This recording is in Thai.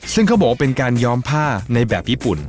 ซึ่งเขาบอกว่าเป็นการย้อมผ้าในแบบญี่ปุ่น